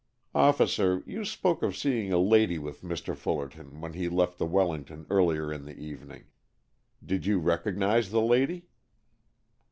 "Officer, you spoke of seeing a lady with Mr. Fullerton when he left the Wellington earlier in the evening. Did you recognize the lady?"